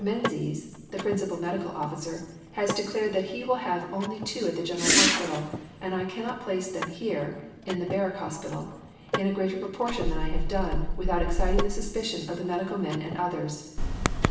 Menzies [the Principal Medical Officer] has declared that he will have two only at the General Hospital, and I cannot place them here [in the Barrack Hospital] in a greater proportion than I have done, without exciting the suspicion of the Medical Men and others."